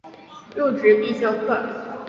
入职必修课